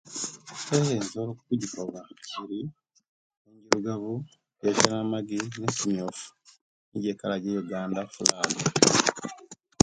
Ee nsobola kujikoba, nti, enjurugavu, ensalamagi ne'kimwufu nijo ekala je Uganda flaga.